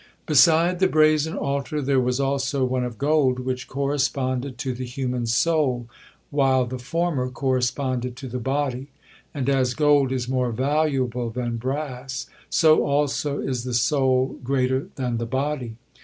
'" Beside the brazen altar there was also one of gold, which corresponded to the human soul, while the former corresponded to the body; and as gold is more valuable than brass, so also is the soul greater than the body.